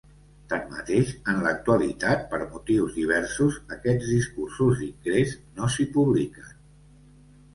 Tanmateix, en l'actualitat, per motius diversos, aquests discursos d'ingrés no s'hi publiquen.